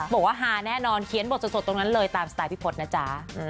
ฮาแน่นอนเขียนบทสดตรงนั้นเลยตามสไตล์พี่พศนะจ๊ะ